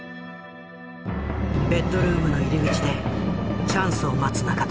ベッドルームの入り口でチャンスを待つ仲田。